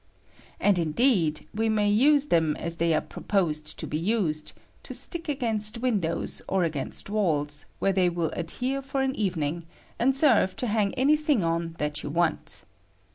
And, indeed, we may use them as PEESSUBE OF THE ATMOSPHERE. 137 I they are proposed to be used, to stick against |"Windows or against walls, where they will [here for an evening, and serve to hang any ing on that you want.